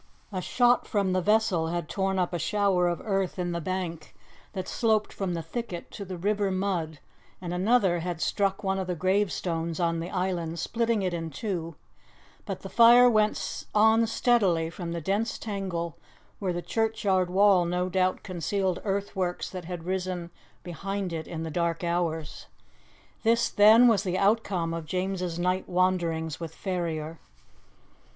A shot from the vessel had torn up a shower of earth in the bank that sloped from the thicket to the river mud, and another had struck one of the gravestones on the island, splitting it in two; but the fire went on steadily from the dense tangle where the churchyard wall no doubt concealed earthworks that had risen behind it in the dark hours. This, then, was the outcome of James's night wanderings with Ferrier.